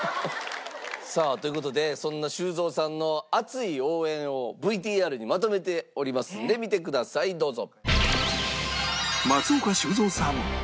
さあという事でそんな修造さんの熱い応援をＶＴＲにまとめておりますので見てくださいどうぞ。